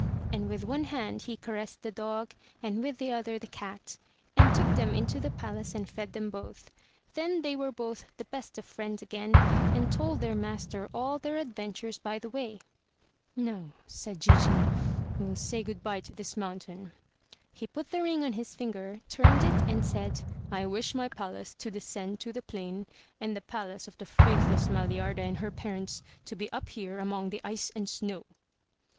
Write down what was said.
And with one hand he caressed the dog, and with the other the cat, and took them into the palace and fed them both. Then they were both the best of friends again, and told their master all their adventures by the way. "Now," said Gigi, "we'll say good bye to this mountain." He put the ring on his finger, turned it and said, " I wish my palace to descend to the plain and the palace of the faithless Maliarda and her parents to be up here among the ice and snow!"